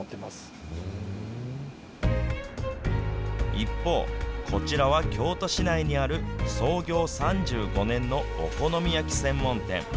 一方、こちらは京都市内にある創業３５年のお好み焼き専門店。